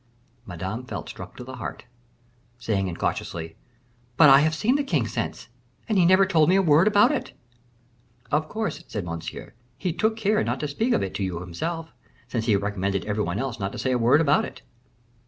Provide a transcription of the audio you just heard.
Madame felt struck to the heart, saying incautiously, "But I have seen the king since, and he never told me a word about it." "Of course," said Monsieur; "he took care not to speak of it to you himself, since he recommended every one not to say a word about it."